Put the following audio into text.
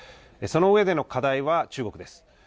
その上での課題は中国です。